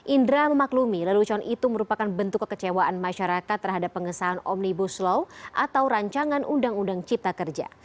indra memaklumi lelucon itu merupakan bentuk kekecewaan masyarakat terhadap pengesahan omnibus law atau rancangan undang undang cipta kerja